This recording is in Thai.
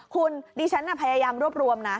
คุณดิฉันพยายามรวบรวมนะ